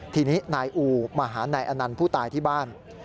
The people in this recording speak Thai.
ทีนี้นายอูมาหานายอนันต์ผู้ตายที่บ้าน